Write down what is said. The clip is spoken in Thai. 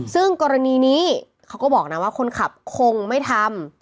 ซึ่งกรณีนี้เขาก็บอกนะว่าคนขับคงไม่ทำ